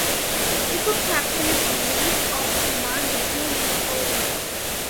If a captain is relieved of command, the game is over.